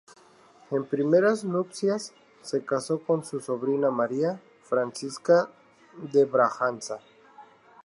En primeras nupcias se casó con su sobrina María Francisca de Braganza.